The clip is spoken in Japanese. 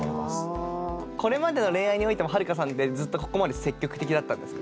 これまでの恋愛においてもはるかさんってここまで積極的だったんですか？